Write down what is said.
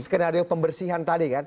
skenario pembersihan tadi kan